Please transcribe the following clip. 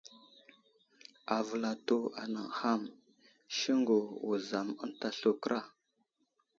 Aməvəlsto anay ham : Siŋgu, Wuzam ənta slu kəra.